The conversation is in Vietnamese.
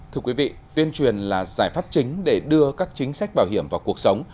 thưa quý vị tuyên truyền là giải pháp chính để đưa các chính sách bảo hiểm vào cuộc sống